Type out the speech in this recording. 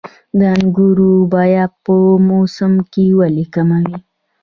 د انګورو بیه په موسم کې ولې کمه وي؟